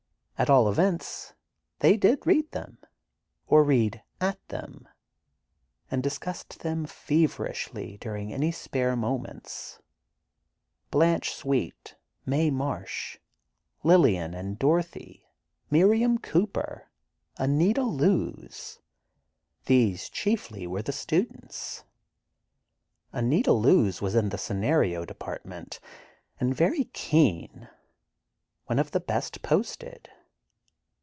At all events, they did read them, or read at them, and discussed them feverishly during any spare moments. Blanche Sweet, Mae Marsh, Lillian and Dorothy, Miriam Cooper, Anita Loos—these chiefly were the students. Anita Loos was in the scenario department, and very keen, one of the best posted.